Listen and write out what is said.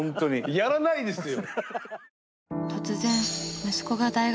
やらないですよ！